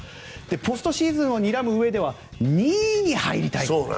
ポストチームをにらむには２位に入りたい。